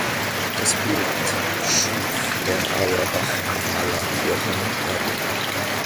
Das Bild schuf der Auerbacher Maler Johann Karl.